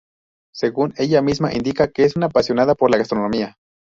Según ella misma indica, es una apasionada por la gastronomía.